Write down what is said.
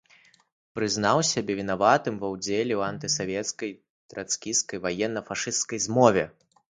Прызнаў сябе вінаватым ва ўдзеле ў антысавецкай, трацкісцкай, ваенна-фашысцкай змове.